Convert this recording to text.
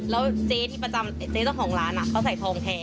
แล้วเจ๊ที่ประจำเจ๊เจ้าของร้านเขาใส่ทองแทน